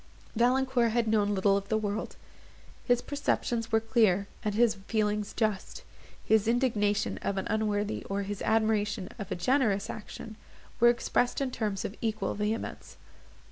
Valancourt had known little of the world. His perceptions were clear, and his feelings just; his indignation of an unworthy, or his admiration of a generous action, were expressed in terms of equal vehemence.